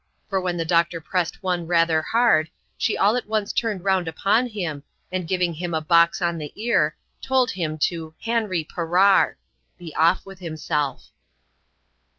For when the doctor pressed one rather hard, she all at once turned round upon him, and, giving him a box on the ear, told him to " hanree perrar !" (be off with himself.)